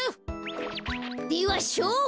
ではしょうぶ。